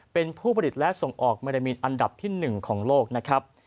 เป็นผู้ผลิตและส่งออกเมรินอันดับที่๑ของโลกนะครับ